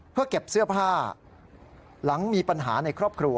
เพื่อเก็บเสื้อผ้าหลังมีปัญหาในครอบครัว